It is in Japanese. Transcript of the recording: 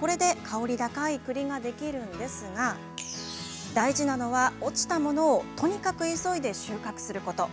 これで香り高い栗ができるんですが大事なのは、落ちたものをとにかく急いで、収穫すること。